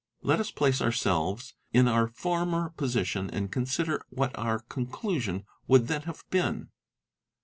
Let us place ourselves in our former position and consider . what our conclusion would then have been.